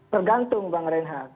tergantung bang renha